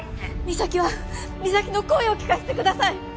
実咲の声を聞かせてください